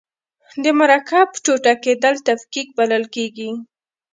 د مرکب ټوټه کیدل تفکیک بلل کیږي.